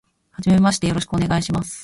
初めましてよろしくお願いします。